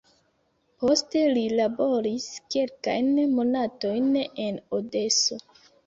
Poste li laboris kelkajn monatojn en Odeso.